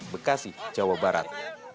bekasi jawa barat